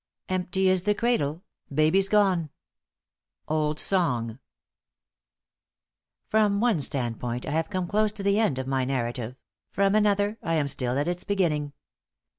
* Empty is the cradle; baby's gone! Old Song. From one standpoint I have come close to the end of my narrative; from another, I am still at its beginning.